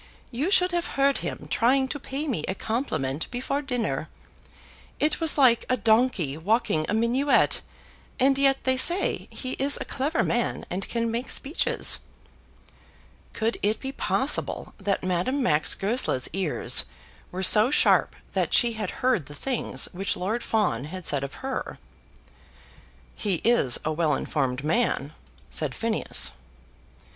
You should have heard him trying to pay me a compliment before dinner. It was like a donkey walking a minuet, and yet they say he is a clever man and can make speeches." Could it be possible that Madame Max Goesler's ears were so sharp that she had heard the things which Lord Fawn had said of her? "He is a well informed man," said Phineas.